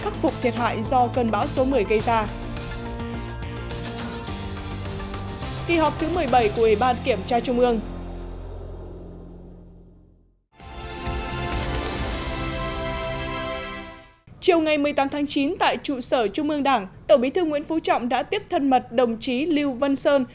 chiều ngày một mươi tám tháng chín tại trụ sở trung ương đảng tổng bí thư nguyễn phú trọng đã tiếp thân mật đồng chí lưu vân sơn